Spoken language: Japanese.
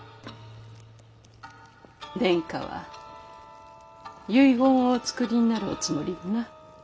殿下は遺言をお作りになるおつもりでな。